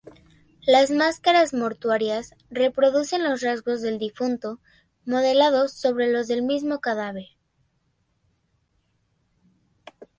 Las máscaras mortuorias reproducen los rasgos del difunto, modelados sobre los del mismo cadáver.